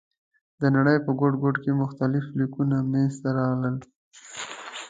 د نړۍ په ګوټ ګوټ کې مختلف لیکونه منځ ته راغلل.